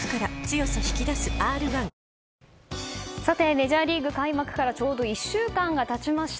メジャーリーグ開幕からちょうど１週間が経ちました。